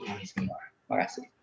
ini semua terima kasih